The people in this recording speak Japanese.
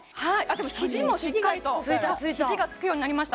肘もしっかりと肘がつくようになりました